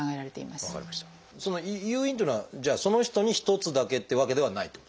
誘因というのはじゃあその人に一つだけっていうわけではない？